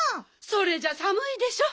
それじゃさむいでしょ。